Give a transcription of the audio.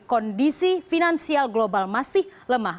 kondisi finansial global masih lemah